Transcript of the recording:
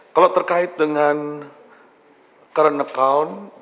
kalau terkait dengan current account